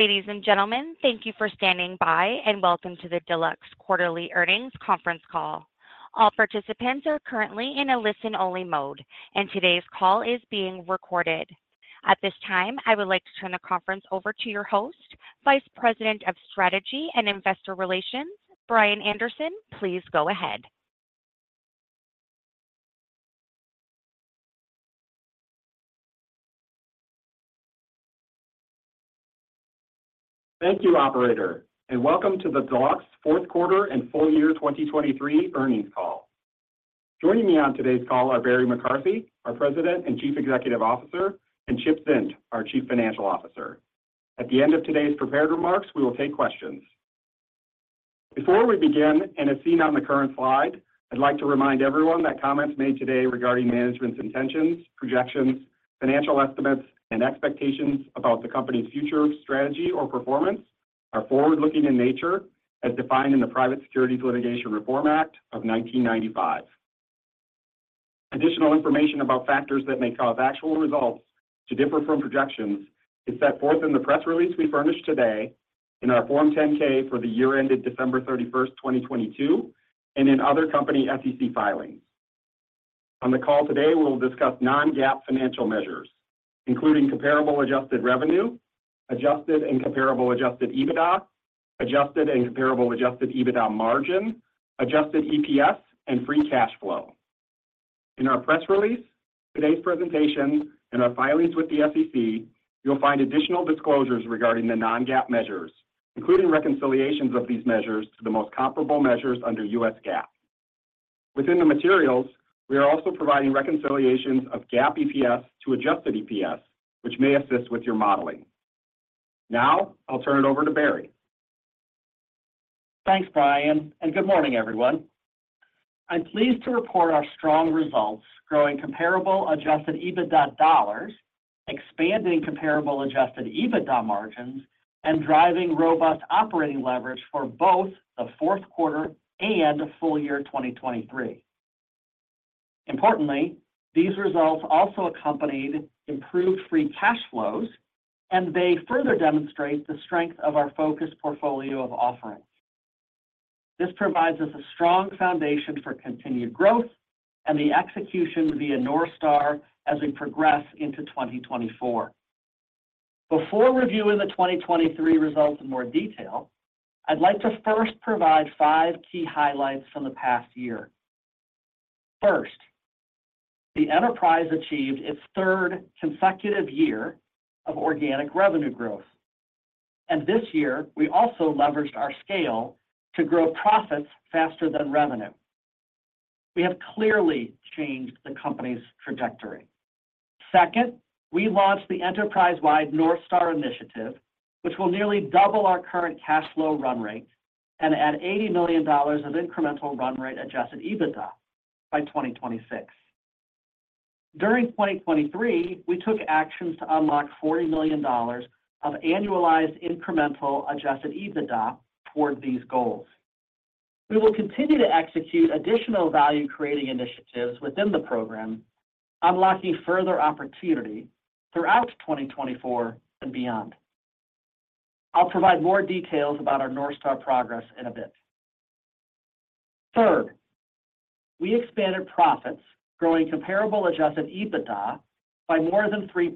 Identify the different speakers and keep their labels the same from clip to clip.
Speaker 1: Ladies and gentlemen, thank you for standing by, and welcome to the Deluxe Quarterly Earnings Conference Call. All participants are currently in a listen-only mode, and today's call is being recorded. At this time, I would like to turn the conference over to your host, Vice President of Strategy and Investor Relations, Brian Anderson. Please go ahead.
Speaker 2: Thank you, operator, and welcome to the Deluxe Fourth Quarter and Full Year 2023 Earnings Call. Joining me on today's call are Barry McCarthy, our President and Chief Executive Officer, and Chip Zint, our Chief Financial Officer. At the end of today's prepared remarks, we will take questions. Before we begin, and as seen on the current slide, I'd like to remind everyone that comments made today regarding management's intentions, projections, financial estimates, and expectations about the company's future strategy or performance are forward-looking in nature, as defined in the Private Securities Litigation Reform Act of 1995. Additional information about factors that may cause actual results to differ from projections is set forth in the press release we furnished today, in our Form 10-K for the year ended December 31, 2022, and in other company SEC filings. On the call today, we will discuss non-GAAP financial measures, including comparable adjusted revenue, adjusted and comparable adjusted EBITDA, adjusted and comparable adjusted EBITDA margin, adjusted EPS, and free cash flow. In our press release, today's presentation, and our filings with the SEC, you'll find additional disclosures regarding the non-GAAP measures, including reconciliations of these measures to the most comparable measures under U.S. GAAP. Within the materials, we are also providing reconciliations of GAAP EPS to adjusted EPS, which may assist with your modeling. Now, I'll turn it over to Barry.
Speaker 3: Thanks, Brian, and good morning, everyone. I'm pleased to report our strong results, growing comparable Adjusted EBITDA dollars, expanding comparable Adjusted EBITDA margins, and driving robust operating leverage for both the fourth quarter and full year 2023. Importantly, these results also accompanied improved free cash flows, and they further demonstrate the strength of our focused portfolio of offerings. This provides us a strong foundation for continued growth and the execution via North Star as we progress into 2024. Before reviewing the 2023 results in more detail, I'd like to first provide five key highlights from the past year. First, the enterprise achieved its third consecutive year of organic revenue growth, and this year, we also leveraged our scale to grow profits faster than revenue. We have clearly changed the company's trajectory. Second, we launched the enterprise-wide North Star initiative, which will nearly double our current cash flow run rate and add $80 million of incremental run rate Adjusted EBITDA by 2026. During 2023, we took actions to unlock $40 million of annualized incremental Adjusted EBITDA toward these goals. We will continue to execute additional value-creating initiatives within the program, unlocking further opportunity throughout 2024 and beyond. I'll provide more details about our North Star progress in a bit. Third, we expanded profits, growing comparable Adjusted EBITDA by more than 3%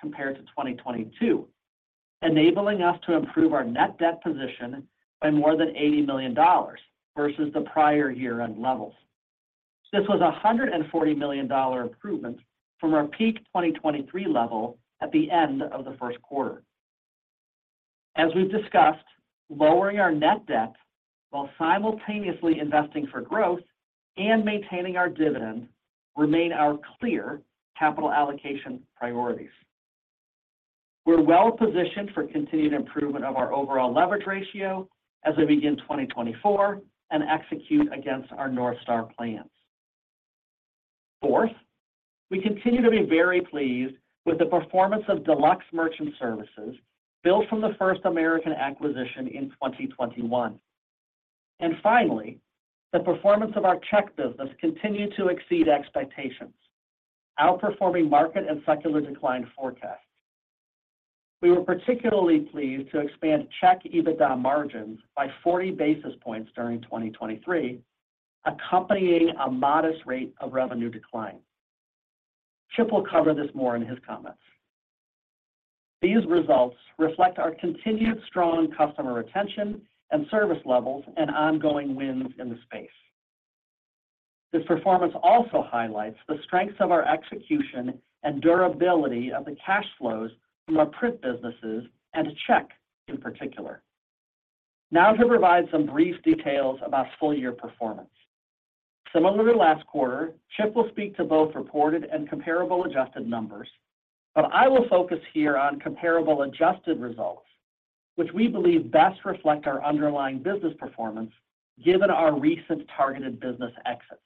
Speaker 3: compared to 2022, enabling us to improve our net debt position by more than $80 million versus the prior year-end levels. This was a $140 million improvement from our peak 2023 level at the end of the first quarter. As we've discussed, lowering our net debt while simultaneously investing for growth and maintaining our dividend remain our clear capital allocation priorities. We're well positioned for continued improvement of our overall leverage ratio as we begin 2024 and execute against our North Star plans. Fourth, we continue to be very pleased with the performance of Deluxe Merchant Services, built from the First American acquisition in 2021. And finally, the performance of our check business continued to exceed expectations, outperforming market and secular decline forecasts. We were particularly pleased to expand check EBITDA margins by 40 basis points during 2023, accompanying a modest rate of revenue decline. Chip will cover this more in his comments. These results reflect our continued strong customer retention and service levels and ongoing wins in the space. This performance also highlights the strengths of our execution and durability of the cash flows from our print businesses and check in particular. Now to provide some brief details about full-year performance. Similar to last quarter, Chip will speak to both reported and comparable adjusted numbers, but I will focus here on comparable adjusted results, which we believe best reflect our underlying business performance, given our recent targeted business exits.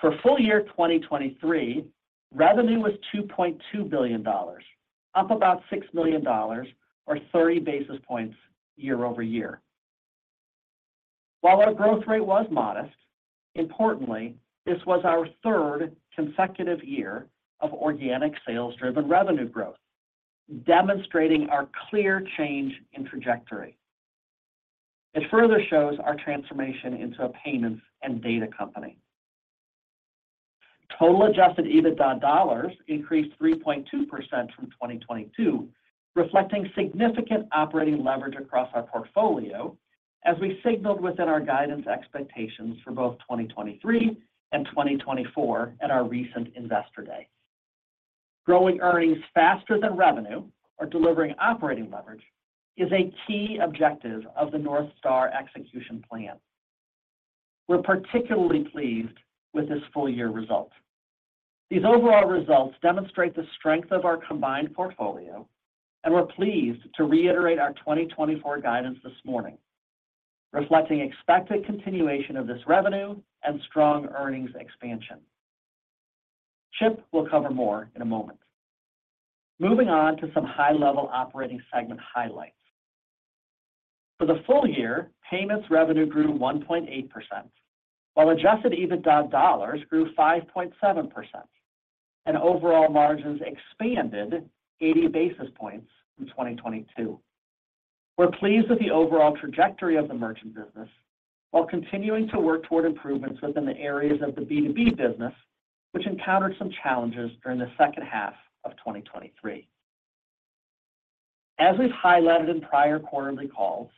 Speaker 3: For full year 2023, revenue was $2.2 billion, up about $6 million or 30 basis points year-over-year. While our growth rate was modest, importantly, this was our third consecutive year of organic sales-driven revenue growth, demonstrating our clear change in trajectory. It further shows our transformation into a payments and data company. Total Adjusted EBITDA dollars increased 3.2% from 2022, reflecting significant operating leverage across our portfolio, as we signaled within our guidance expectations for both 2023 and 2024 at our recent Investor Day. Growing earnings faster than revenue or delivering operating leverage is a key objective of the North Star execution plan. We're particularly pleased with this full-year result. These overall results demonstrate the strength of our combined portfolio, and we're pleased to reiterate our 2024 guidance this morning, reflecting expected continuation of this revenue and strong earnings expansion. Chip will cover more in a moment. Moving on to some high-level operating segment highlights. For the full year, payments revenue grew 1.8%, while Adjusted EBITDA dollars grew 5.7%, and overall margins expanded 80 basis points from 2022. We're pleased with the overall trajectory of the merchant business, while continuing to work toward improvements within the areas of the B2B business, which encountered some challenges during the second half of 2023. As we've highlighted in prior quarterly calls,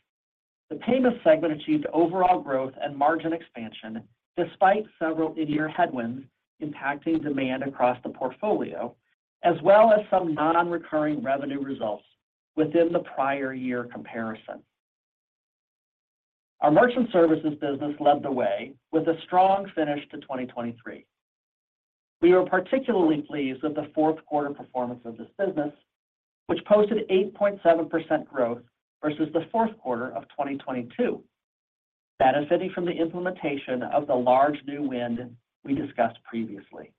Speaker 3: the payments segment achieved overall growth and margin expansion despite several in-year headwinds impacting demand across the portfolio, as well as some non-recurring revenue results within the prior year comparison. Our merchant services business led the way with a strong finish to 2023. We were particularly pleased with the fourth quarter performance of this business, which posted 8.7% growth versus the fourth quarter of 2022, benefiting from the implementation of the large new win we discussed previously.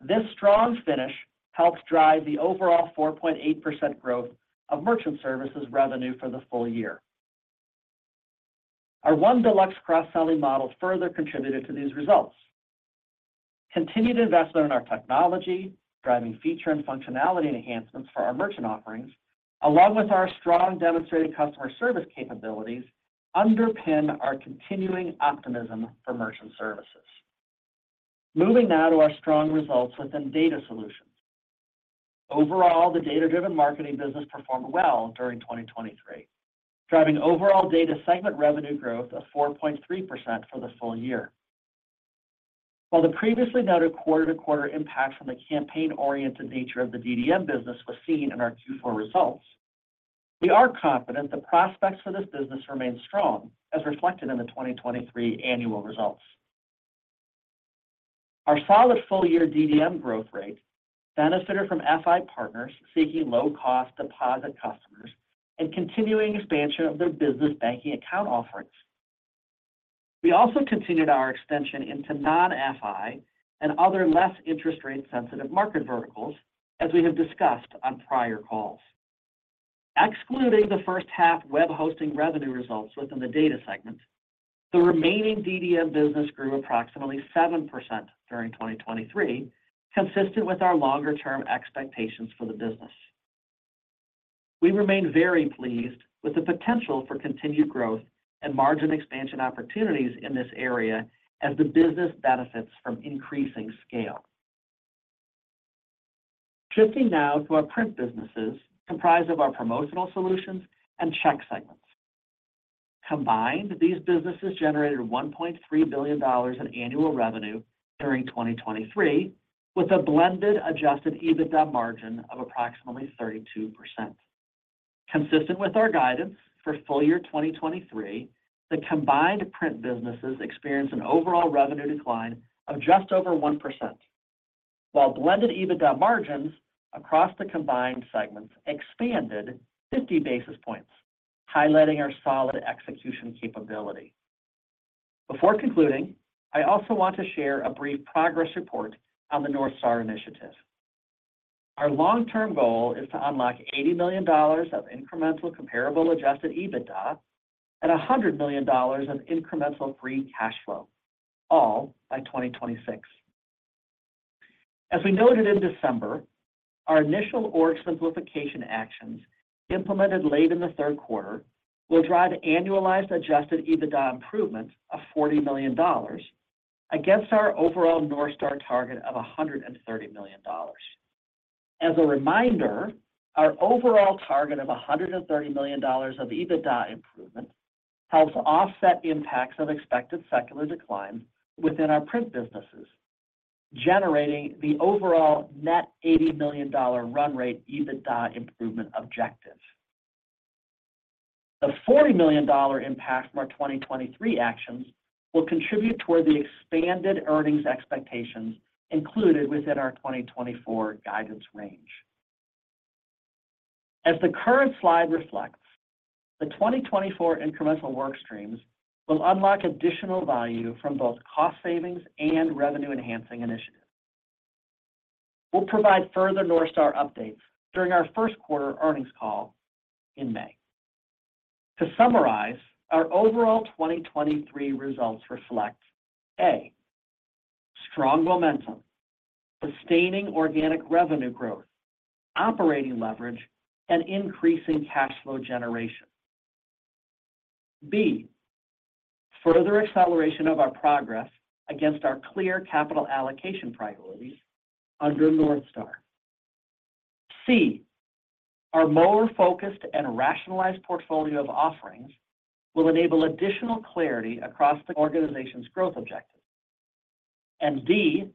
Speaker 3: This strong finish helps drive the overall 4.8% growth of merchant services revenue for the full year. Our One Deluxe cross-selling model further contributed to these results. Continued investment in our technology, driving feature and functionality enhancements for our merchant offerings, along with our strong demonstrated customer service capabilities, underpin our continuing optimism for Merchant Services. Moving now to our strong results within Data Solutions. Overall, the Data-Driven Marketing business performed well during 2023, driving overall data segment revenue growth of 4.3% for the full year. While the previously noted quarter-to-quarter impact from the campaign-oriented nature of the DDM business was seen in our Q4 results, we are confident the prospects for this business remain strong, as reflected in the 2023 annual results. Our solid full-year DDM growth rate benefited from FI partners seeking low-cost deposit customers and continuing expansion of their business banking account offerings. We also continued our expansion into non-FI and other less interest rate-sensitive market verticals, as we have discussed on prior calls. Excluding the first half web hosting revenue results within the data segment, the remaining DDM business grew approximately 7% during 2023, consistent with our longer-term expectations for the business. We remain very pleased with the potential for continued growth and margin expansion opportunities in this area as the business benefits from increasing scale. Shifting now to our print businesses, comprised of our promotional solutions and check segments. Combined, these businesses generated $1.3 billion in annual revenue during 2023, with a blended Adjusted EBITDA margin of approximately 32%. Consistent with our guidance for full year 2023, the combined print businesses experienced an overall revenue decline of just over 1%, while blended EBITDA margins across the combined segments expanded 50 basis points, highlighting our solid execution capability. Before concluding, I also want to share a brief progress report on the North Star initiative. Our long-term goal is to unlock $80 million of incremental comparable adjusted EBITDA and $100 million in incremental free cash flow, all by 2026. As we noted in December, our initial org simplification actions, implemented late in the third quarter, will drive annualized adjusted EBITDA improvements of $40 million against our overall North Star target of $130 million. As a reminder, our overall target of $130 million of EBITDA improvement helps offset the impacts of expected secular decline within our print businesses, generating the overall net $80 million run rate EBITDA improvement objective. The $40 million impact from our 2023 actions will contribute toward the expanded earnings expectations included within our 2024 guidance range. As the current slide reflects, the 2024 incremental work streams will unlock additional value from both cost savings and revenue-enhancing initiatives.... We'll provide further North Star updates during our first quarter earnings call in May. To summarize, our overall 2023 results reflect: A, strong momentum, sustaining organic revenue growth, operating leverage, and increasing cash flow generation. B, further acceleration of our progress against our clear capital allocation priorities under North Star. C, our more focused and rationalized portfolio of offerings will enable additional clarity across the organization's growth objectives. And D,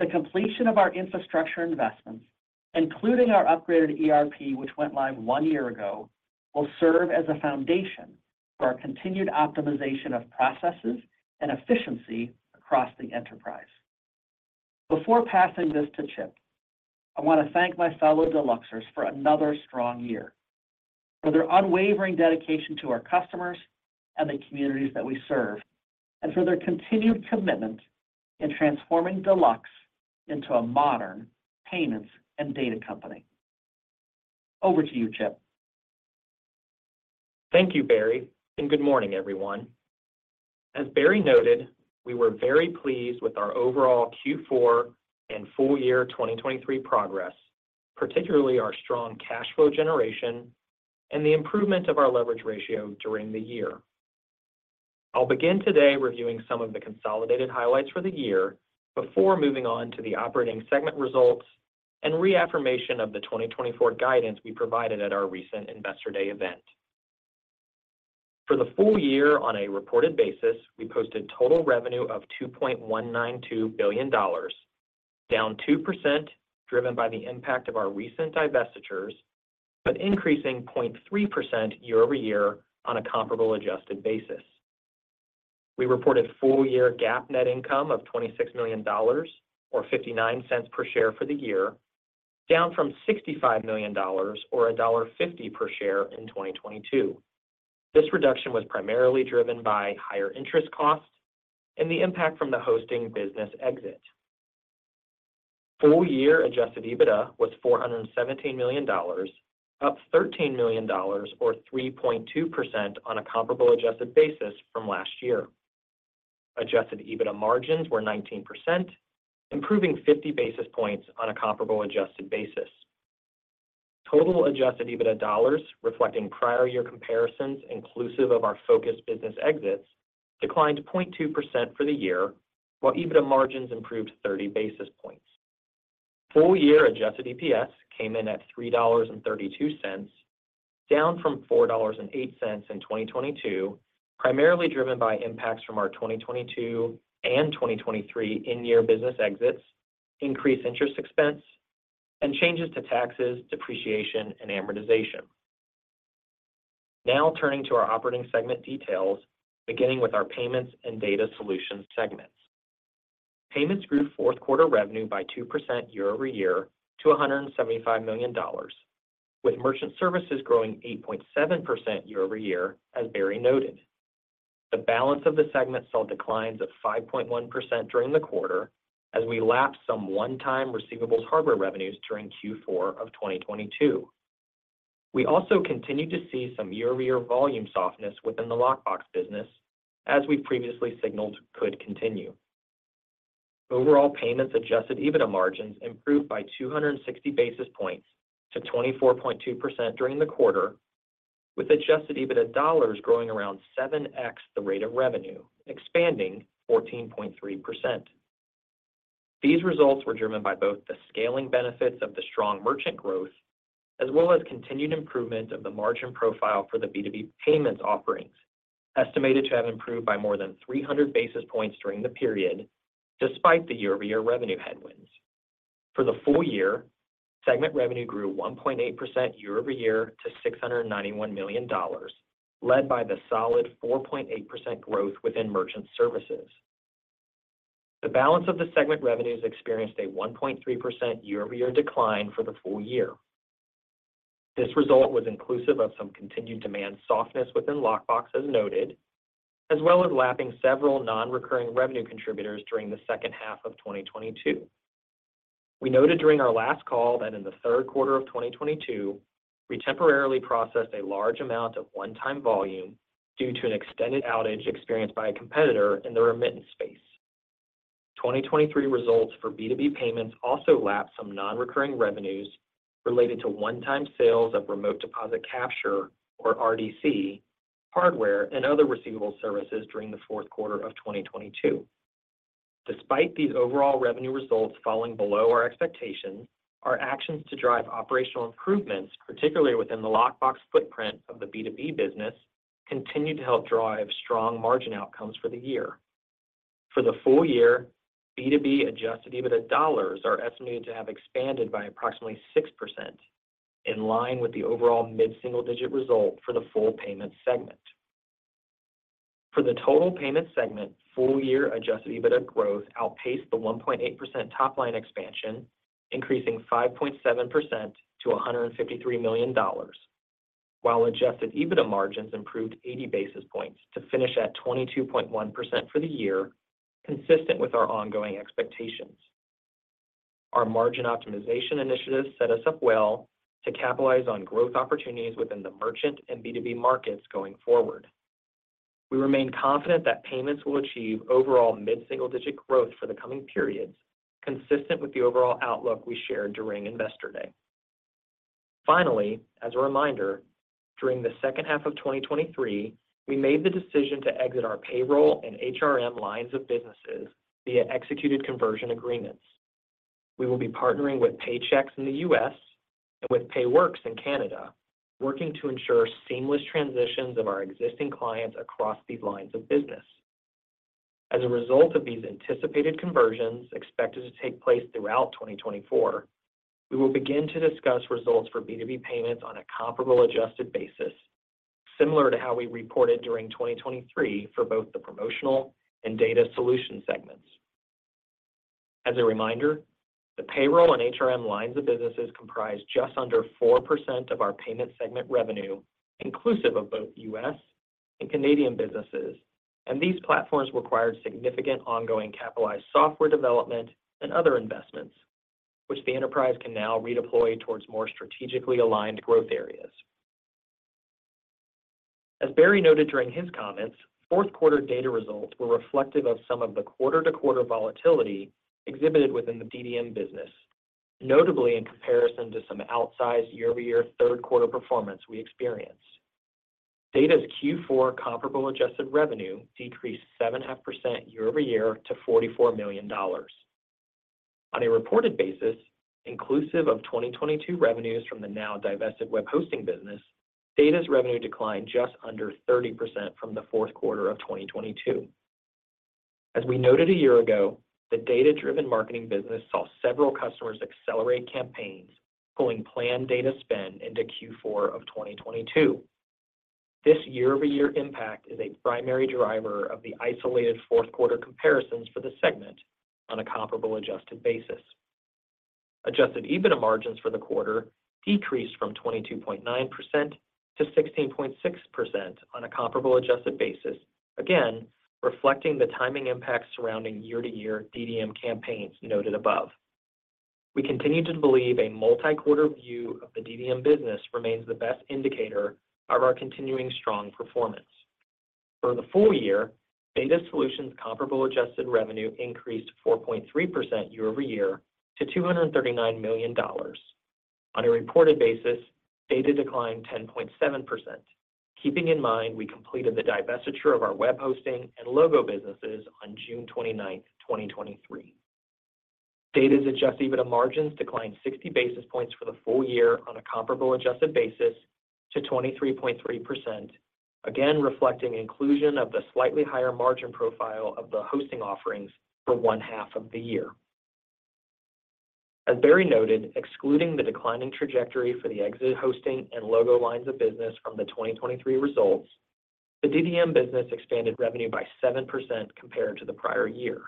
Speaker 3: the completion of our infrastructure investments, including our upgraded ERP, which went live one year ago, will serve as a foundation for our continued optimization of processes and efficiency across the enterprise. Before passing this to Chip, I want to thank my fellow Deluxers for another strong year, for their unwavering dedication to our customers and the communities that we serve, and for their continued commitment in transforming Deluxe into a modern payments and data company. Over to you, Chip.
Speaker 4: Thank you, Barry, and good morning, everyone. As Barry noted, we were very pleased with our overall Q4 and full year 2023 progress, particularly our strong cash flow generation and the improvement of our leverage ratio during the year. I'll begin today reviewing some of the consolidated highlights for the year before moving on to the operating segment results and reaffirmation of the 2024 guidance we provided at our recent Investor Day event. For the full year on a reported basis, we posted total revenue of $2.192 billion, down 2%, driven by the impact of our recent divestitures, but increasing 0.3% year-over-year on a comparable adjusted basis. We reported full-year GAAP net income of $26 million, or $0.59 per share for the year, down from $65 million or $1.50 per share in 2022. This reduction was primarily driven by higher interest costs and the impact from the hosting business exit. Full-year adjusted EBITDA was $417 million, up $13 million, or 3.2% on a comparable adjusted basis from last year. Adjusted EBITDA margins were 19%, improving 50 basis points on a comparable adjusted basis. Total adjusted EBITDA dollars, reflecting prior year comparisons inclusive of our focused business exits, declined 0.2% for the year, while EBITDA margins improved 30 basis points. Full-year adjusted EPS came in at $3.32, down from $4.08 in 2022, primarily driven by impacts from our 2022 and 2023 in-year business exits, increased interest expense, and changes to taxes, depreciation, and amortization. Now, turning to our operating segment details, beginning with our payments and data solutions segments. Payments grew fourth quarter revenue by 2% year-over-year to $175 million, with Merchant Services growing 8.7% year-over-year, as Barry noted. The balance of the segment saw declines of 5.1% during the quarter as we lapsed some one-time receivables hardware revenues during Q4 of 2022. We also continued to see some year-over-year volume softness within the Lockbox business, as we previously signaled could continue. Overall, Payments Adjusted EBITDA margins improved by 260 basis points to 24.2% during the quarter, with Adjusted EBITDA dollars growing around 7x the rate of revenue, expanding 14.3%. These results were driven by both the scaling benefits of the strong merchant growth, as well as continued improvement of the margin profile for the B2B Payments offerings, estimated to have improved by more than 300 basis points during the period, despite the year-over-year revenue headwinds. For the full year, segment revenue grew 1.8% year-over-year to $691 million, led by the solid 4.8% growth within merchant services. The balance of the segment revenues experienced a 1.3% year-over-year decline for the full year. This result was inclusive of some continued demand softness within lockbox, as noted, as well as lapping several non-recurring revenue contributors during the second half of 2022. We noted during our last call that in the third quarter of 2022, we temporarily processed a large amount of one-time volume due to an extended outage experienced by a competitor in the remittance space. 2023 results for B2B payments also lapsed some non-recurring revenues related to one-time sales of remote deposit capture, or RDC, hardware and other receivable services during the fourth quarter of 2022. Despite these overall revenue results falling below our expectations, our actions to drive operational improvements, particularly within the lockbox footprint of the B2B business, continued to help drive strong margin outcomes for the year. For the full year, B2B adjusted EBITDA dollars are estimated to have expanded by approximately 6%, in line with the overall mid-single-digit result for the full payment segment. For the total payment segment, full-year adjusted EBITDA growth outpaced the 1.8% top-line expansion, increasing 5.7% to $153 million, while adjusted EBITDA margins improved 80 basis points to finish at 22.1% for the year, consistent with our ongoing expectations. Our margin optimization initiatives set us up well to capitalize on growth opportunities within the merchant and B2B markets going forward. We remain confident that payments will achieve overall mid-single-digit growth for the coming periods, consistent with the overall outlook we shared during Investor Day. Finally, as a reminder, during the second half of 2023, we made the decision to exit our payroll and HRM lines of businesses via executed conversion agreements. We will be partnering with Paychex in the U.S. and with Payworks in Canada, working to ensure seamless transitions of our existing clients across these lines of businesses. As a result of these anticipated conversions expected to take place throughout 2024, we will begin to discuss results for B2B Payments on a comparable adjusted basis, similar to how we reported during 2023 for both the promotional and data solution segments. As a reminder, the payroll and HRM lines of businesses comprise just under 4% of our payment segment revenue, inclusive of both U.S. and Canadian businesses, and these platforms required significant ongoing capitalized software development and other investments, which the enterprise can now redeploy towards more strategically aligned growth areas. As Barry noted during his comments, fourth quarter Data results were reflective of some of the quarter-to-quarter volatility exhibited within the DDM business, notably in comparison to some outsized year-over-year third quarter performance we experienced. Data's Q4 comparable adjusted revenue decreased 7.5% year-over-year to $44 million. On a reported basis, inclusive of 2022 revenues from the now divested web hosting business, Data's revenue declined just under 30% from the fourth quarter of 2022. As we noted a year ago, the Data-Driven Marketing business saw several customers accelerate campaigns, pulling planned data spend into Q4 of 2022. This year-over-year impact is a primary driver of the isolated fourth quarter comparisons for the segment on a comparable adjusted basis. Adjusted EBITDA margins for the quarter decreased from 22.9% to 16.6% on a comparable adjusted basis, again, reflecting the timing impacts surrounding year-over-year DDM campaigns noted above. We continue to believe a multi-quarter view of the DDM business remains the best indicator of our continuing strong performance. For the full year, data solutions comparable adjusted revenue increased 4.3% year-over-year to $239 million. On a reported basis, data declined 10.7%. Keeping in mind, we completed the divestiture of our web hosting and logo businesses on June 29, 2023. Data's adjusted EBITDA margins declined 60 basis points for the full year on a comparable adjusted basis to 23.3%, again, reflecting inclusion of the slightly higher margin profile of the hosting offerings for one half of the year. As Barry noted, excluding the declining trajectory for the exit hosting and logo lines of business from the 2023 results, the DDM business expanded revenue by 7% compared to the prior year.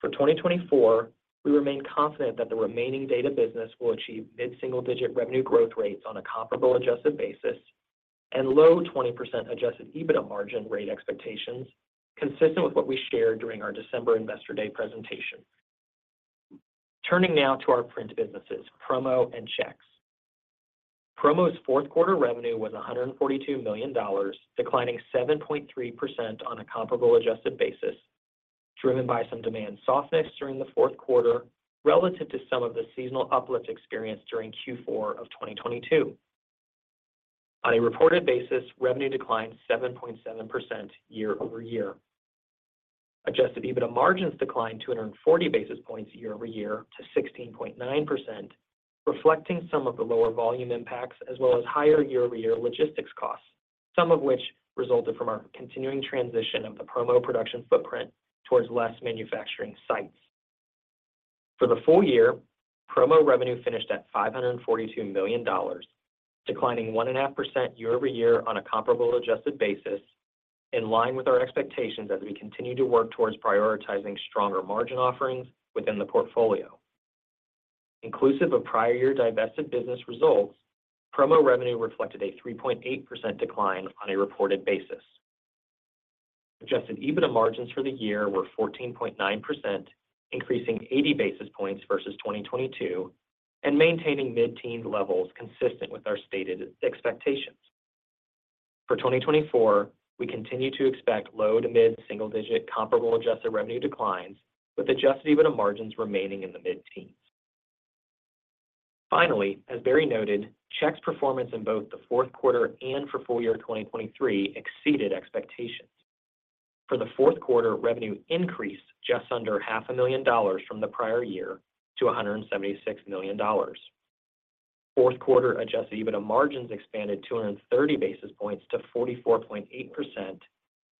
Speaker 4: For 2024, we remain confident that the remaining data business will achieve mid-single-digit revenue growth rates on a comparable adjusted basis and low 20% Adjusted EBITDA margin rate expectations, consistent with what we shared during our December Investor Day presentation. Turning now to our print businesses, Promo and Checks. Promo's fourth quarter revenue was $142 million, declining 7.3% on a comparable adjusted basis, driven by some demand softness during the fourth quarter relative to some of the seasonal uplifts experienced during Q4 of 2022. On a reported basis, revenue declined 7.7% year-over-year. Adjusted EBITDA margins declined 240 basis points year-over-year to 16.9%, reflecting some of the lower volume impacts as well as higher year-over-year logistics costs, some of which resulted from our continuing transition of the promo production footprint towards less manufacturing sites. For the full year, promo revenue finished at $542 million, declining 1.5% year-over-year on a comparable adjusted basis, in line with our expectations as we continue to work towards prioritizing stronger margin offerings within the portfolio. Inclusive of prior year divested business results, promo revenue reflected a 3.8% decline on a reported basis. Adjusted EBITDA margins for the year were 14.9%, increasing 80 basis points versus 2022, and maintaining mid-teen levels consistent with our stated expectations. For 2024, we continue to expect low- to mid-single-digit comparable adjusted revenue declines, with Adjusted EBITDA margins remaining in the mid-teens. Finally, as Barry noted, Checks' performance in both the fourth quarter and for full year 2023 exceeded expectations. For the fourth quarter, revenue increased just under $500,000 from the prior year to $176 million. Fourth quarter Adjusted EBITDA margins expanded 230 basis points to 44.8%,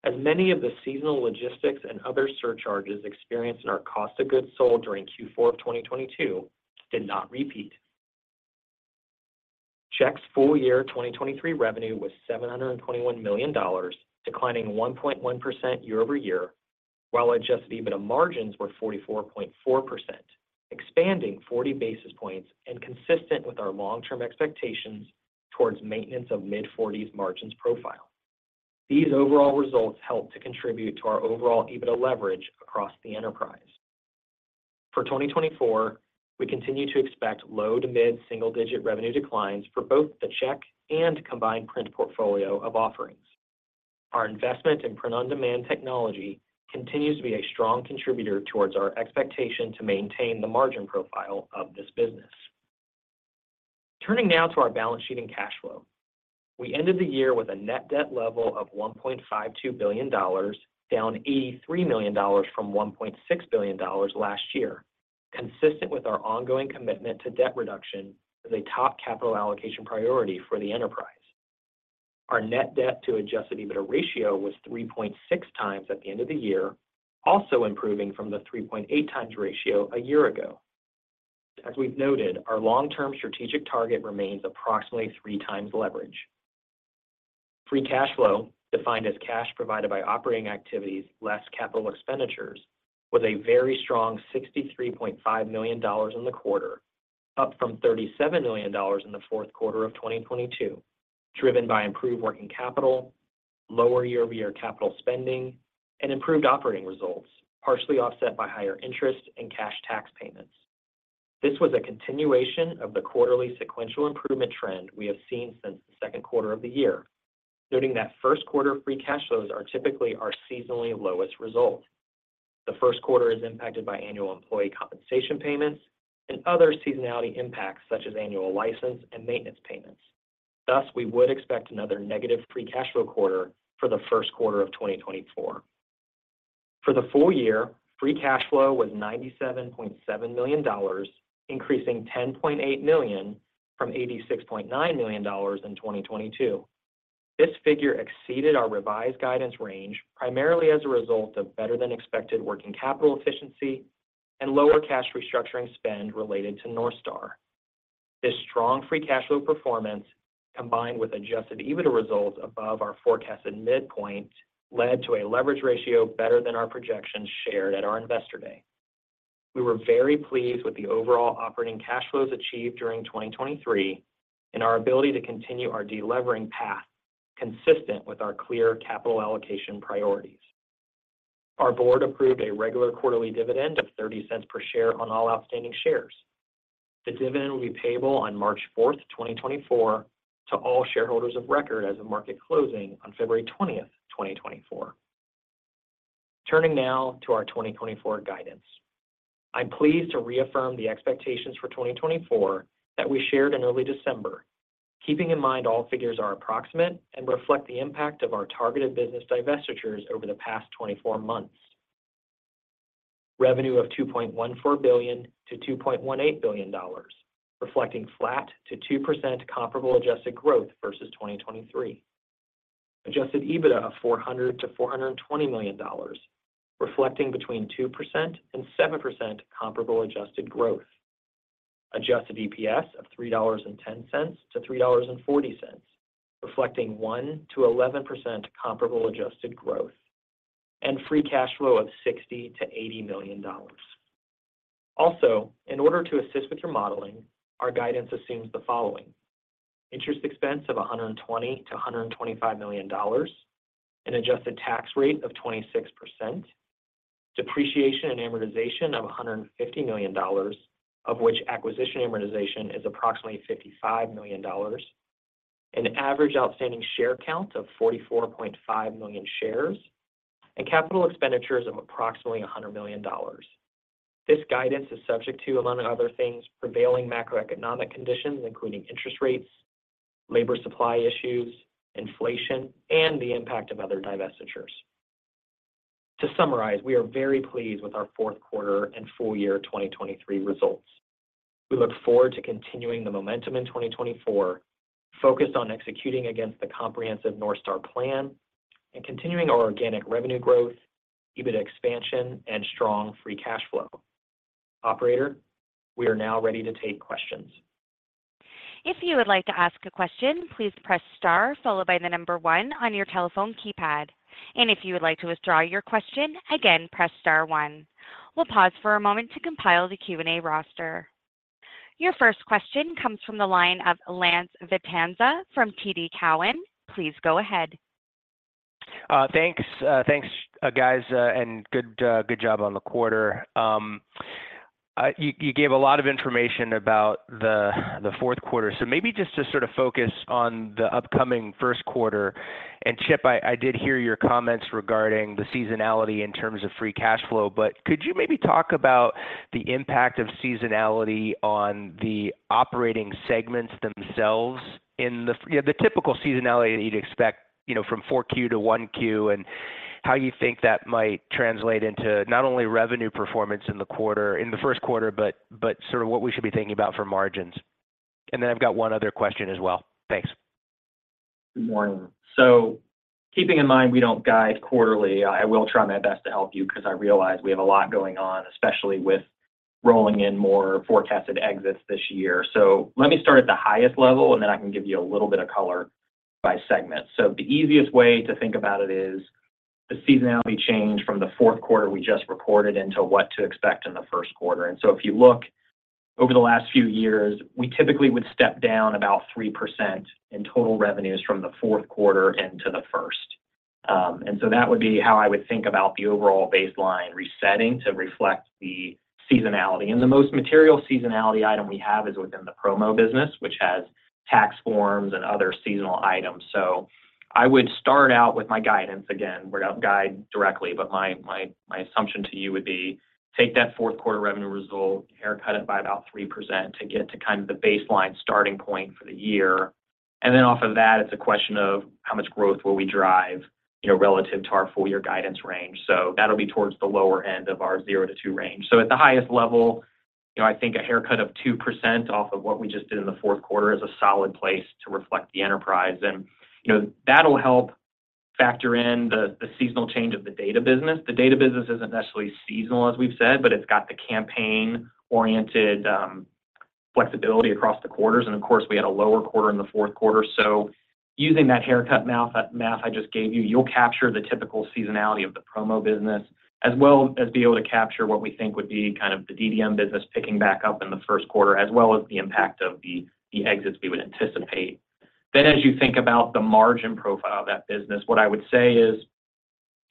Speaker 4: as many of the seasonal logistics and other surcharges experienced in our cost of goods sold during Q4 of 2022 did not repeat. Checks' full year 2023 revenue was $721 million, declining 1.1% year-over-year. While adjusted EBITDA margins were 44.4%, expanding 40 basis points and consistent with our long-term expectations towards maintenance of mid-forties margins profile. These overall results helped to contribute to our overall EBITDA leverage across the enterprise. For 2024, we continue to expect low- to mid-single-digit revenue declines for both the check and combined print portfolio of offerings. Our investment in print-on-demand technology continues to be a strong contributor towards our expectation to maintain the margin profile of this business. Turning now to our balance sheet and cash flow. We ended the year with a net debt level of $1.52 billion, down $83 million from $1.6 billion last year, consistent with our ongoing commitment to debt reduction as a top capital allocation priority for the enterprise. Our Net Debt to Adjusted EBITDA Ratio was 3.6 times at the end of the year, also improving from the 3.8 times ratio a year ago. As we've noted, our long-term strategic target remains approximately 3 times leverage. Free Cash Flow, defined as cash provided by operating activities less capital expenditures, was a very strong $63.5 million in the quarter, up from $37 million in the fourth quarter of 2022, driven by improved working capital, lower year-over-year capital spending, and improved operating results, partially offset by higher interest and cash tax payments. This was a continuation of the quarterly sequential improvement trend we have seen since the second quarter of the year, noting that first quarter free cash flows are typically our seasonally lowest result. The first quarter is impacted by annual employee compensation payments and other seasonality impacts, such as annual license and maintenance payments. Thus, we would expect another negative Free Cash Flow quarter for the first quarter of 2024. For the full year, Free Cash Flow was $97.7 million, increasing $10.8 million from $86.9 million in 2022. This figure exceeded our revised guidance range, primarily as a result of better-than-expected working capital efficiency and lower cash restructuring spend related to North Star. This strong Free Cash Flow performance, combined with Adjusted EBITDA results above our forecasted midpoint, led to a leverage ratio better than our projections shared at our Investor Day. We were very pleased with the overall operating cash flows achieved during 2023 and our ability to continue our delevering path, consistent with our clear capital allocation priorities. Our board approved a regular quarterly dividend of $0.30 per share on all outstanding shares. The dividend will be payable on March fourth, 2024, to all shareholders of record as of market closing on February twentieth, 2024. Turning now to our 2024 guidance. I'm pleased to reaffirm the expectations for 2024 that we shared in early December. Keeping in mind all figures are approximate and reflect the impact of our targeted business divestitures over the past 24 months. Revenue of $2.14 billion-$2.18 billion, reflecting flat to 2% comparable adjusted growth versus 2023. Adjusted EBITDA of $400 million-$420 million, reflecting between 2% and 7% comparable adjusted growth. Adjusted EPS of $3.10-$3.40, reflecting 1%-11% comparable adjusted growth, and free cash flow of $60 million-$80 million. Also, in order to assist with your modeling, our guidance assumes the following: interest expense of $120 million-$125 million, an adjusted tax rate of 26%, depreciation and amortization of $150 million, of which acquisition amortization is approximately $55 million, an average outstanding share count of 44.5 million shares, and capital expenditures of approximately $100 million. This guidance is subject to, among other things, prevailing macroeconomic conditions, including interest rates, labor supply issues, inflation, and the impact of other divestitures. To summarize, we are very pleased with our fourth quarter and full year 2023 results. We look forward to continuing the momentum in 2024, focused on executing against the comprehensive North Star plan and continuing our organic revenue growth, EBITDA expansion, and strong free cash flow. Operator, we are now ready to take questions.
Speaker 1: If you would like to ask a question, please press star followed by the number one on your telephone keypad. If you would like to withdraw your question, again, press star one. We'll pause for a moment to compile the Q&A roster. Your first question comes from the line of Lance Vitanza from TD Cowen. Please go ahead.
Speaker 5: Thanks. Thanks, guys, and good job on the quarter. You gave a lot of information about the fourth quarter, so maybe just to sort of focus on the upcoming first quarter. And Chip, I did hear your comments regarding the seasonality in terms of Free Cash Flow, but could you maybe talk about the impact of seasonality on the operating segments themselves in the... Yeah, the typical seasonality you'd expect, you know, from 4Q to 1Q, and how you think that might translate into not only revenue performance in the quarter, in the first quarter, but sort of what we should be thinking about for margins. And then I've got one other question as well. Thanks.
Speaker 4: Good morning. Keeping in mind we don't guide quarterly, I will try my best to help you because I realize we have a lot going on, especially with rolling in more forecasted exits this year. Let me start at the highest level, and then I can give you a little bit of color by segment. The easiest way to think about it is the seasonality change from the fourth quarter we just reported into what to expect in the first quarter. And so if you look over the last few years, we typically would step down about 3% in total revenues from the fourth quarter into the first. And so that would be how I would think about the overall baseline resetting to reflect the seasonality. The most material seasonality item we have is within the promo business, which has tax forms and other seasonal items. So I would start out with my guidance. Again, we're going to guide directly, but my assumption to you would be, take that fourth quarter revenue result, haircut it by about 3% to get to kind of the baseline starting point for the year. Then off of that, it's a question of how much growth will we drive, you know, relative to our full year guidance range. So that'll be towards the lower end of our 0%-2% range. So at the highest level, you know, I think a haircut of 2% off of what we just did in the fourth quarter is a solid place to reflect the enterprise. You know, that'll help factor in the seasonal change of the data business. The data business isn't necessarily seasonal, as we've said, but it's got the campaign-oriented flexibility across the quarters. And of course, we had a lower quarter in the fourth quarter. So using that haircut math I just gave you, you'll capture the typical seasonality of the promo business, as well as be able to capture what we think would be kind of the DDM business picking back up in the first quarter, as well as the impact of the exits we would anticipate. Then, as you think about the margin profile of that business, what I would say is,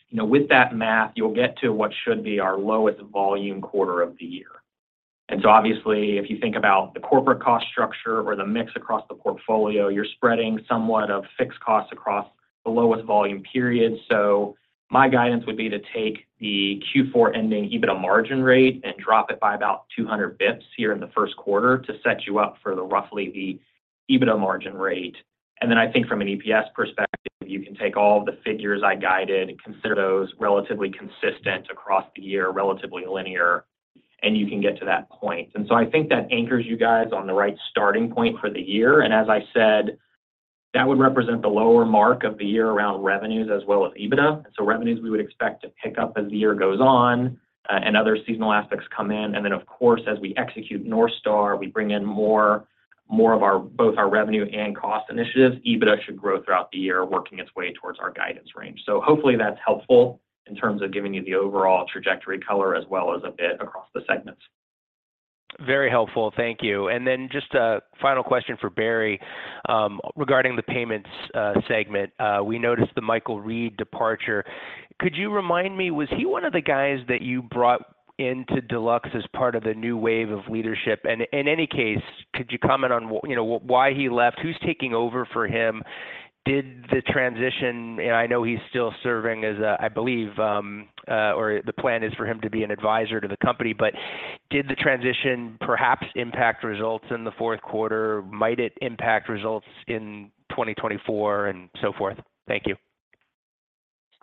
Speaker 4: you know, with that math, you'll get to what should be our lowest volume quarter of the year. And so obviously, if you think about the corporate cost structure or the mix across the portfolio, you're spreading somewhat of fixed costs across the lowest volume period. So my guidance would be to take the Q4 ending EBITDA margin rate and drop it by about 200 basis points here in the first quarter to set you up for roughly the EBITDA margin rate. And then I think from an EPS perspective, you can take all the figures I guided, consider those relatively consistent across the year, relatively linear, and you can get to that point. And so I think that anchors you guys on the right starting point for the year. And as I said, that would represent the lower mark of the year around revenues as well as EBITDA. So revenues, we would expect to pick up as the year goes on, and other seasonal aspects come in. And then, of course, as we execute North Star, we bring in more, more of our- both our revenue and cost initiatives. EBITDA should grow throughout the year, working its way towards our guidance range. So hopefully that's helpful in terms of giving you the overall trajectory color as well as a bit across the segments.
Speaker 5: Very helpful. Thank you. And then just a final question for Barry, regarding the payments segment. We noticed the Michael Reed departure. Could you remind me, was he one of the guys that you brought into Deluxe as part of the new wave of leadership? And in any case, could you comment on you know, why he left? Who's taking over for him? Did the transition. And I know he's still serving as, I believe, or the plan is for him to be an advisor to the company, but did the transition perhaps impact results in the fourth quarter? Might it impact results in 2024 and so forth? Thank you.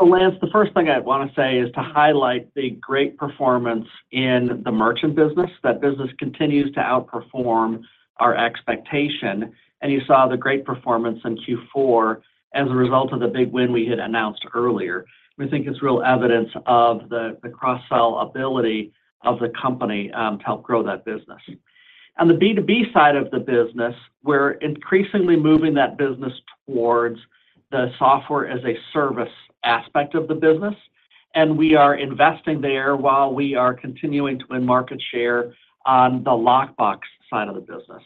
Speaker 3: So Lance, the first thing I'd want to say is to highlight the great performance in the merchant business. That business continues to outperform our expectation, and you saw the great performance in Q4 as a result of the big win we had announced earlier. We think it's real evidence of the cross-sell ability of the company to help grow that business. On the B2B side of the business, we're increasingly moving that business towards the software as a service aspect of the business, and we are investing there while we are continuing to win market share on the lockbox side of the business.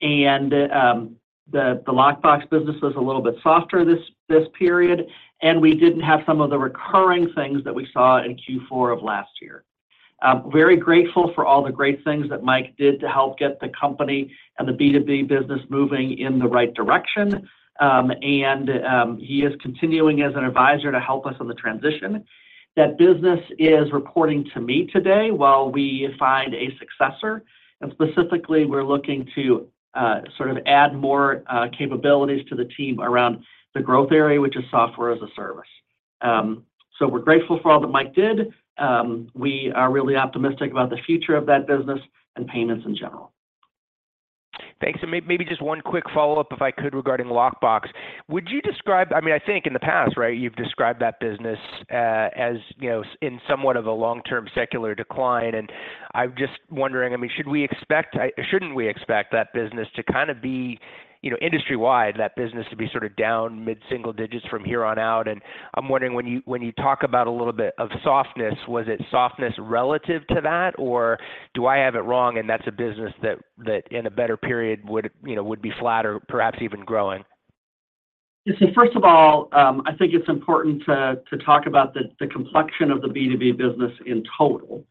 Speaker 3: And the lockbox business was a little bit softer this period, and we didn't have some of the recurring things that we saw in Q4 of last year. Very grateful for all the great things that Mike did to help get the company and the B2B business moving in the right direction. He is continuing as an advisor to help us on the transition. That business is reporting to me today while we find a successor, and specifically, we're looking to sort of add more capabilities to the team around the growth area, which is software as a service. We're grateful for all that Mike did. We are really optimistic about the future of that business and payments in general.
Speaker 5: Thanks. And maybe just one quick follow-up, if I could, regarding lockbox. Would you describe, I mean, I think in the past, right, you've described that business as, you know, in somewhat of a long-term secular decline, and I'm just wondering, I mean, should we expect, shouldn't we expect that business to kind of be, you know, industry-wide, that business to be sort of down mid-single digits from here on out? And I'm wondering, when you talk about a little bit of softness, was it softness relative to that, or do I have it wrong and that's a business that in a better period would, you know, would be flat or perhaps even growing?
Speaker 3: So first of all, I think it's important to talk about the complexion of the B2B business in total,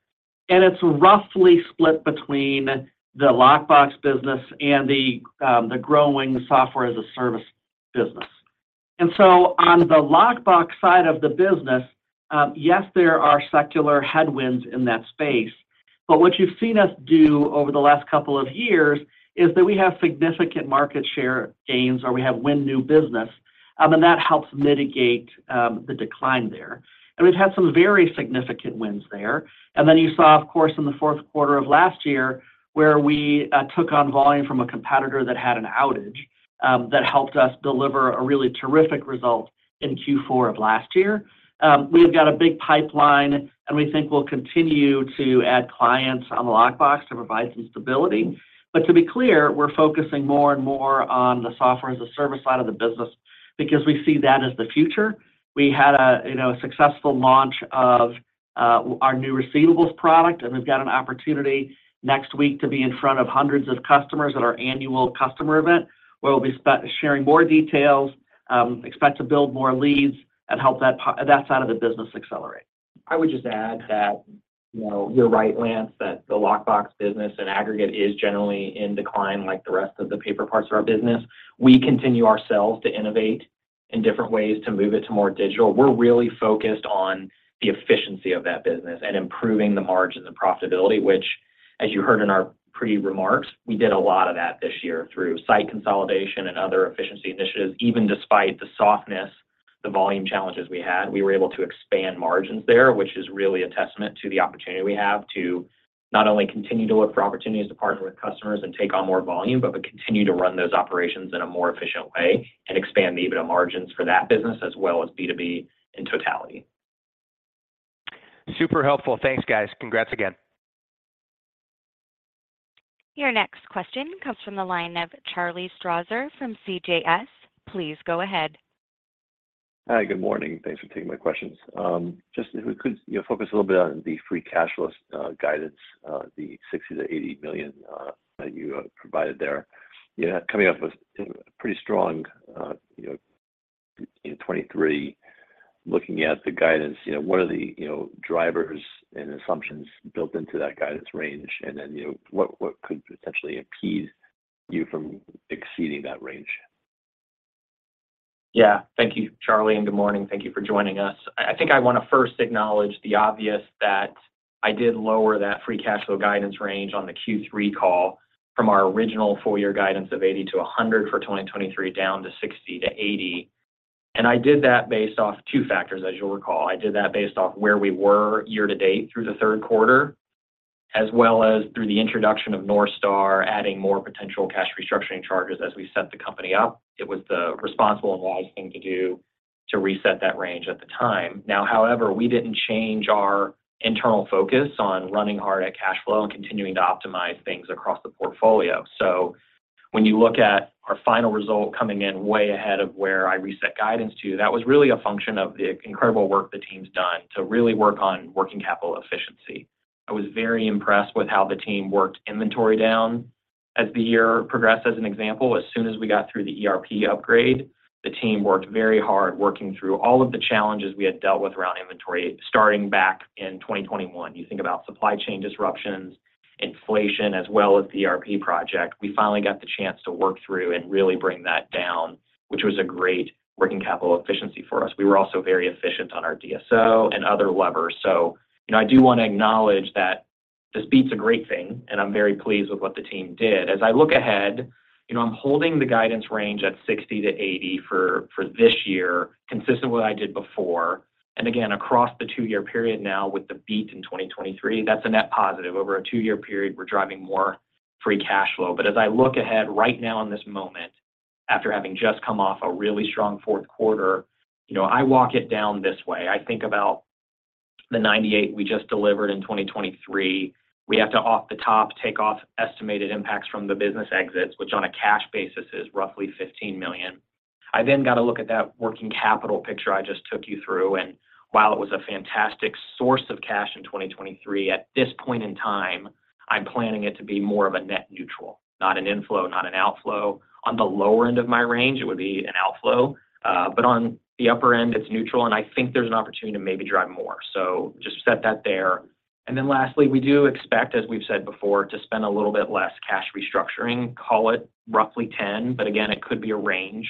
Speaker 3: and it's roughly split between the Lockbox business and the growing software as a service business. And so on the Lockbox side of the business, yes, there are secular headwinds in that space, but what you've seen us do over the last couple of years is that we have significant market share gains, or we have win new business, and that helps mitigate the decline there. And we've had some very significant wins there. And then you saw, of course, in the fourth quarter of last year, where we took on volume from a competitor that had an outage, that helped us deliver a really terrific result in Q4 of last year. We've got a big pipeline, and we think we'll continue to add clients on the lockbox to provide some stability. But to be clear, we're focusing more and more on the software as a service side of the business... because we see that as the future. We had a, you know, a successful launch of our new receivables product, and we've got an opportunity next week to be in front of hundreds of customers at our annual customer event, where we'll be sharing more details, expect to build more leads and help that side of the business accelerate.
Speaker 4: I would just add that, you know, you're right, Lance, that the lockbox business in aggregate is generally in decline like the rest of the paper parts of our business. We continue ourselves to innovate in different ways to move it to more digital. We're really focused on the efficiency of that business and improving the margins and profitability, which, as you heard in our pre remarks, we did a lot of that this year through site consolidation and other efficiency initiatives. Even despite the softness, the volume challenges we had, we were able to expand margins there, which is really a testament to the opportunity we have to not only continue to look for opportunities to partner with customers and take on more volume, but to continue to run those operations in a more efficient way and expand the EBITDA margins for that business, as well as B2B in totality.
Speaker 3: Super helpful. Thanks, guys. Congrats again.
Speaker 1: Your next question comes from the line of Charlie Strasser from CJS. Please go ahead.
Speaker 6: Hi, good morning. Thanks for taking my questions. Just if we could, you know, focus a little bit on the Free Cash Flow, guidance, the $60 million-$80 million, that you provided there. You know, coming off a pretty strong, you know, in 2023, looking at the guidance, you know, what are the, you know, drivers and assumptions built into that guidance range? And then, you know, what could potentially keep you from exceeding that range?
Speaker 4: Yeah. Thank you, Charlie, and good morning. Thank you for joining us. I think I want to first acknowledge the obvious, that I did lower that Free Cash Flow guidance range on the Q3 call from our original full year guidance of $80-$100 for 2023, down to $60-$80. And I did that based off two factors, as you'll recall. I did that based off where we were year-to-date through the third quarter, as well as through the introduction of North Star, adding more potential cash restructuring charges as we set the company up. It was the responsible and wise thing to do to reset that range at the time. Now, however, we didn't change our internal focus on running hard at cash flow and continuing to optimize things across the portfolio. So when you look at our final result coming in way ahead of where I reset guidance to, that was really a function of the incredible work the team's done to really work on working capital efficiency. I was very impressed with how the team worked inventory down as the year progressed. As an example, as soon as we got through the ERP upgrade, the team worked very hard, working through all of the challenges we had dealt with around inventory, starting back in 2021. You think about supply chain disruptions, inflation, as well as the ERP project. We finally got the chance to work through and really bring that down, which was a great working capital efficiency for us. We were also very efficient on our DSO and other levers. So, you know, I do want to acknowledge that this beat's a great thing, and I'm very pleased with what the team did. As I look ahead, you know, I'm holding the guidance range at $60-$80 for this year, consistent with what I did before. And again, across the two-year period now with the beat in 2023, that's a net positive. Over a two-year period, we're driving more free cash flow. But as I look ahead right now in this moment, after having just come off a really strong fourth quarter, you know, I walk it down this way. I think about the $98 we just delivered in 2023. We have to, off the top, take off estimated impacts from the business exits, which on a cash basis is roughly $15 million. I then got to look at that working capital picture I just took you through, and while it was a fantastic source of cash in 2023, at this point in time, I'm planning it to be more of a net neutral, not an inflow, not an outflow. On the lower end of my range, it would be an outflow, but on the upper end, it's neutral, and I think there's an opportunity to maybe drive more. So just set that there. And then lastly, we do expect, as we've said before, to spend a little bit less cash restructuring. Call it roughly $10 million, but again, it could be a range.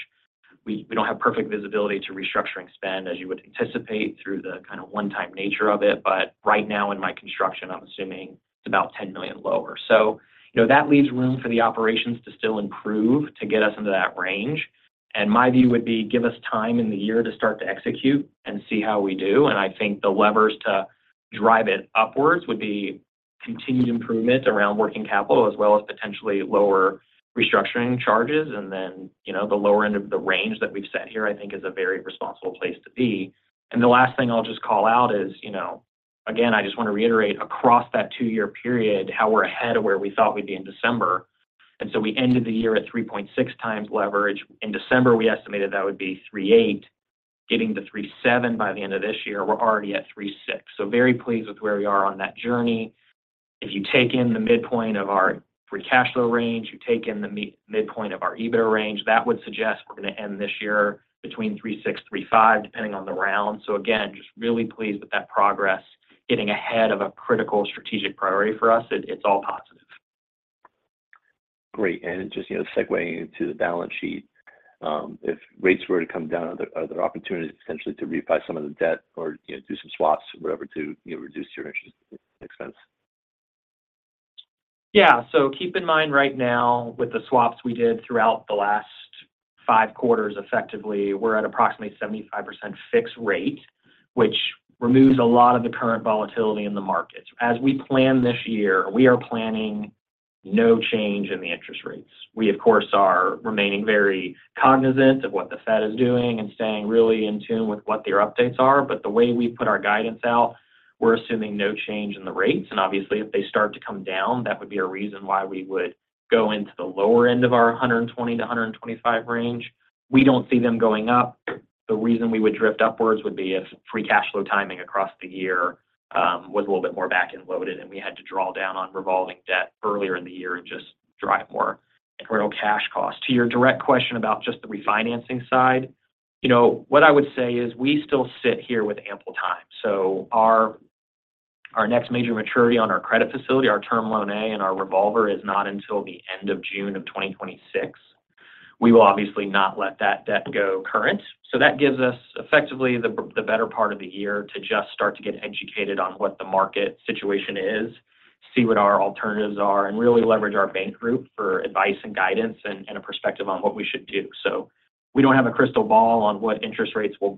Speaker 4: We don't have perfect visibility to restructuring spend, as you would anticipate, through the kind of one-time nature of it, but right now in my construction, I'm assuming it's about $10 million lower. So, you know, that leaves room for the operations to still improve, to get us into that range. And my view would be, give us time in the year to start to execute and see how we do. And I think the levers to drive it upwards would be continued improvement around working capital, as well as potentially lower restructuring charges. And then, you know, the lower end of the range that we've set here, I think is a very responsible place to be. And the last thing I'll just call out is, you know, again, I just want to reiterate across that two-year period, how we're ahead of where we thought we'd be in December. And so we ended the year at 3.6 times leverage. In December, we estimated that would be 3.8, getting to 3.7 by the end of this year. We're already at 3.6. So very pleased with where we are on that journey. If you take in the midpoint of our free cash flow range, you take in the midpoint of our EBITDA range, that would suggest we're gonna end this year between 3.6, 3.5, depending on the round. So again, just really pleased with that progress, getting ahead of a critical strategic priority for us. It's all positive.
Speaker 6: Great. Just, you know, segue into the balance sheet. If rates were to come down, are there, are there opportunities potentially to refi some of the debt or, you know, do some swaps or whatever to, you know, reduce your interest expense?
Speaker 4: Yeah. So keep in mind right now, with the swaps we did throughout the last 5 quarters, effectively, we're at approximately 75% fixed rate, which removes a lot of the current volatility in the market. As we plan this year, we are planning no change in the interest rates. We, of course, are remaining very cognizant of what the Fed is doing and staying really in tune with what their updates are. But the way we put our guidance out, we're assuming no change in the rates, and obviously, if they start to come down, that would be a reason why we would go into the lower end of our 120-125 range. We don't see them going up. The reason we would drift upwards would be if free cash flow timing across the year was a little bit more back-end loaded, and we had to draw down on revolving debt earlier in the year and just drive more internal cash costs. To your direct question about just the refinancing side, you know, what I would say is we still sit here with ample time. So our next major maturity on our credit facility, our term loan A and our revolver, is not until the end of June 2026. We will obviously not let that debt go current, so that gives us effectively the better part of the year to just start to get educated on what the market situation is, see what our alternatives are, and really leverage our bank group for advice and guidance and a perspective on what we should do. So we don't have a crystal ball on what interest rates will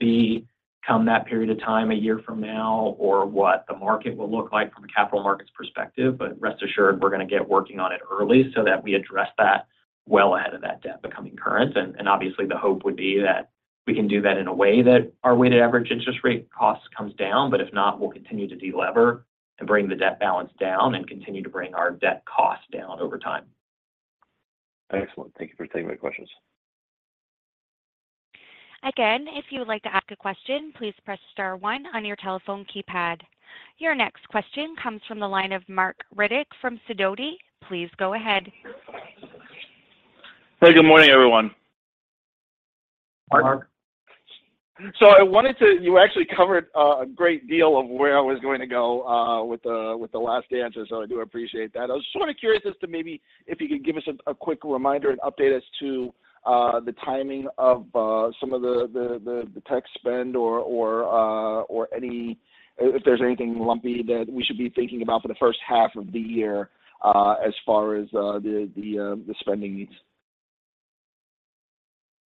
Speaker 4: become that period of time a year from now, or what the market will look like from a capital markets perspective, but rest assured, we're gonna get working on it early so that we address that well ahead of that debt becoming current. And obviously, the hope would be that we can do that in a way that our weighted average interest rate cost comes down. If not, we'll continue to delever and bring the debt balance down and continue to bring our debt cost down over time.
Speaker 6: Excellent. Thank you for taking my questions.
Speaker 1: Again, if you would like to ask a question, please press star one on your telephone keypad. Your next question comes from the line of Mark Riddick from Sidoti. Please go ahead.
Speaker 7: Hey, good morning, everyone.
Speaker 4: Mark.
Speaker 7: So I wanted to—you actually covered a great deal of where I was going to go with the last answer, so I do appreciate that. I was sort of curious as to maybe if you could give us a quick reminder and update us to the timing of some of the tech spend or any... If there's anything lumpy that we should be thinking about for the first half of the year as far as the spending needs.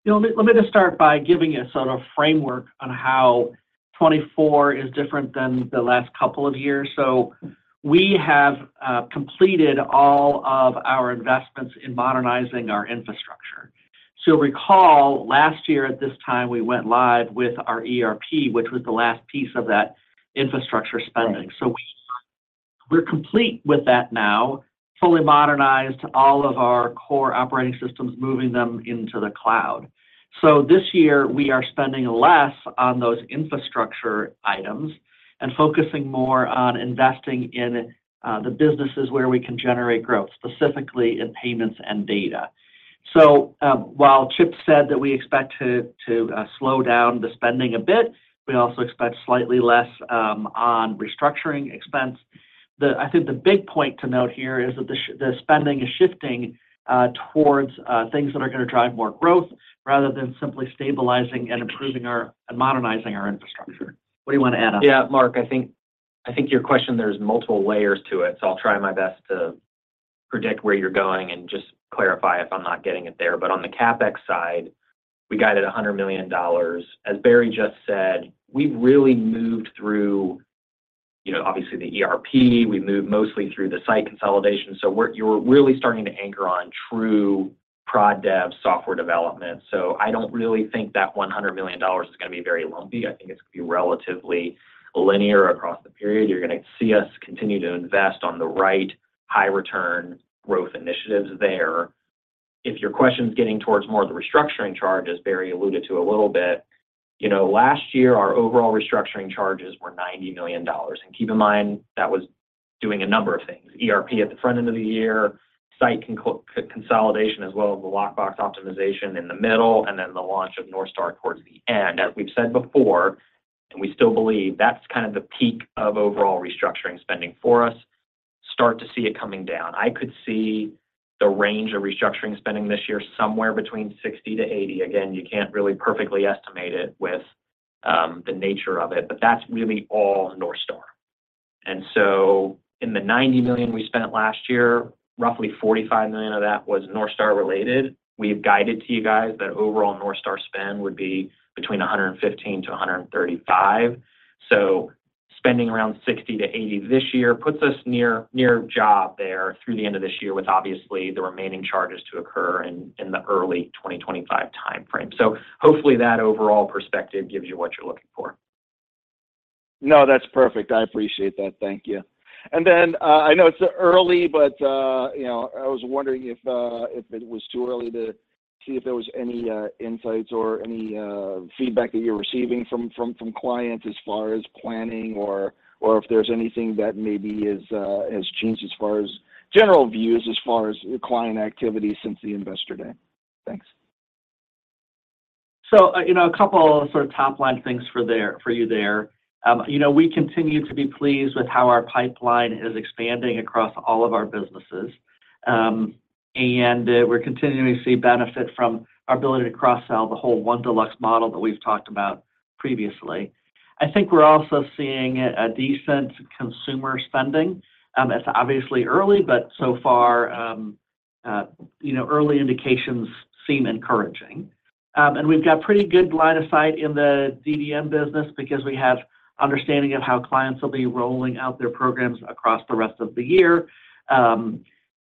Speaker 3: You know, let me just start by giving you a sort of framework on how 2024 is different than the last couple of years. So we have completed all of our investments in modernizing our infrastructure. So recall, last year at this time, we went live with our ERP, which was the last piece of that infrastructure spending. So we're complete with that now, fully modernized all of our core operating systems, moving them into the cloud. So this year, we are spending less on those infrastructure items and focusing more on investing in the businesses where we can generate growth, specifically in payments and data. So while Chip said that we expect to slow down the spending a bit, we also expect slightly less on restructuring expense. I think the big point to note here is that the spending is shifting towards things that are going to drive more growth rather than simply stabilizing and improving our and modernizing our infrastructure. What do you want to add on?
Speaker 4: Yeah, Mark, I think, I think your question, there's multiple layers to it, so I'll try my best to predict where you're going and just clarify if I'm not getting it there. But on the CapEx side, we guided $100 million. As Barry just said, we've really moved through, you know, obviously, the ERP. We've moved mostly through the site consolidation. So you're really starting to anchor on true prod dev software development. So I don't really think that $100 million is going to be very lumpy. I think it's going to be relatively linear across the period. You're going to see us continue to invest on the right high-return growth initiatives there. If your question's getting towards more of the restructuring charges, Barry alluded to a little bit, you know, last year, our overall restructuring charges were $90 million. And keep in mind, that was doing a number of things: ERP at the front end of the year, site consolidation, as well as the lockbox optimization in the middle, and then the launch of North Star towards the end. As we've said before, and we still believe, that's kind of the peak of overall restructuring spending for us. Start to see it coming down. I could see the range of restructuring spending this year somewhere between $60 million-$80 million. Again, you can't really perfectly estimate it with the nature of it, but that's really all North Star. And so in the $90 million we spent last year, roughly $45 million of that was North Star related. We've guided to you guys that overall North Star spend would be between $115 million-$135 million. Spending around $60-$80 this year puts us near job there through the end of this year, with obviously the remaining charges to occur in early 2025 timeframe. Hopefully, that overall perspective gives you what you're looking for.
Speaker 7: No, that's perfect. I appreciate that. Thank you. And then, I know it's early, but, you know, I was wondering if it was too early to see if there was any insights or any feedback that you're receiving from clients as far as planning, or if there's anything that maybe has changed as far as general views, as far as client activity since the Investor Day. Thanks.
Speaker 3: So, you know, a couple of sort of top-line things for you there. You know, we continue to be pleased with how our pipeline is expanding across all of our businesses. And we're continuing to see benefit from our ability to cross-sell the whole One Deluxe model that we've talked about previously. I think we're also seeing a decent consumer spending. It's obviously early, but so far, you know, early indications seem encouraging. And we've got pretty good line of sight in the DDM business because we have understanding of how clients will be rolling out their programs across the rest of the year.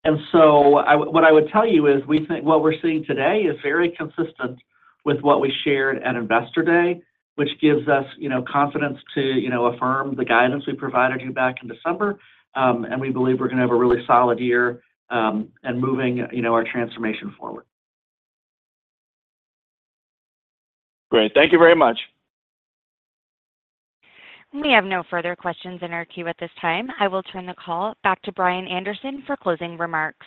Speaker 3: And so I... What I would tell you is, we think what we're seeing today is very consistent with what we shared at Investor Day, which gives us, you know, confidence to, you know, affirm the guidance we provided you back in December. And we believe we're going to have a really solid year, and moving, you know, our transformation forward.
Speaker 7: Great. Thank you very much.
Speaker 1: We have no further questions in our queue at this time. I will turn the call back to Brian Anderson for closing remarks.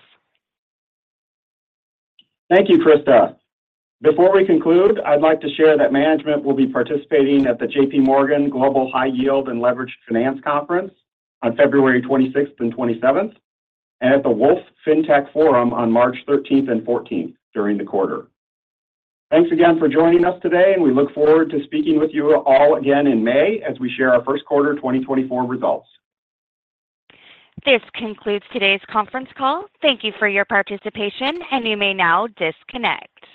Speaker 4: Thank you, Krista. Before we conclude, I'd like to share that management will be participating at the J.P. Morgan Global High Yield and Leveraged Finance Conference on February 26th and 27th, and at the Wolfe Fintech Forum on March 13th and 14th, during the quarter. Thanks again for joining us today, and we look forward to speaking with you all again in May as we share our first quarter 2024 results.
Speaker 1: This concludes today's conference call. Thank you for your participation, and you may now disconnect.